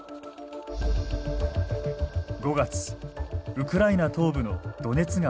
５月ウクライナ東部のドネツ川。